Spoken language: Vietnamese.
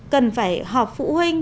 cần phải học phụ huynh